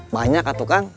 banyak kak tukang